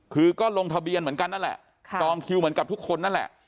คือก็ลงทะเบียนเหมือนกันนั่นแหละจองคิวเหมือนกับทุกคนนั่นแหละ